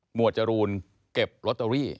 วดจรูนเก็บลอตเตอรี่